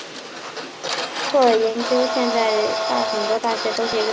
酷儿研究现在在很多大学都是一个学科项目。